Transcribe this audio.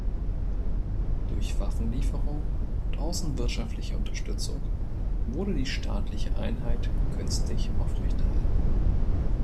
Durch Waffenlieferungen und außenwirtschaftliche Unterstützung wurde die staatliche Einheit künstlich aufrechterhalten.